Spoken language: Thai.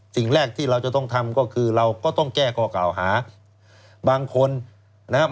สิ่งแรกที่เราจะต้องทำก็คือเราก็ต้องแก้ข้อกล่าวหาบางคนนะครับ